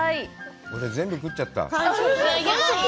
俺、全部食っちゃった。